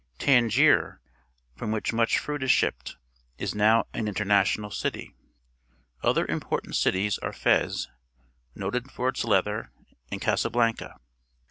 Tangier, from which much fruit is shipped, is now an international city. Other important cities are Fez, noted for its leather, and Casablanca.